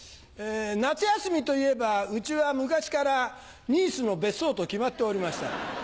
夏休みといえばうちは昔からニースの別荘と決まっておりました。